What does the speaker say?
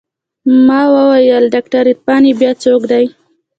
ما وويل ډاکتر عرفان يې بيا څوک دى.